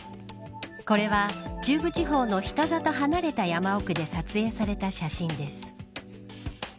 これは中部地方の人里離れた山奥で撮影された写真です。